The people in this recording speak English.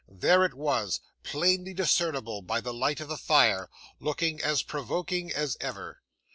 There it was, plainly discernible by the light of the fire, looking as provoking as ever.